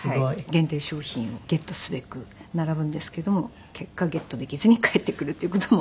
限定商品をゲットすべく並ぶんですけども結果ゲットできずに帰ってくるっていう事も。